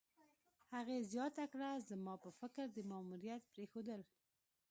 هغې زیاته کړه: "زما په فکر، د ماموریت پرېښودل